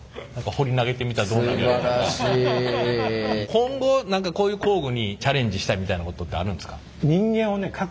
今後こういう工具にチャレンジしたいみたいなことってあるんですか？